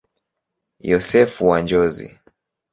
Yosefu wa Njozi.